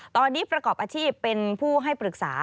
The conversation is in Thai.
ตอนนี้ประกอบอาชีพเป็นผู้ให้ปรึกษา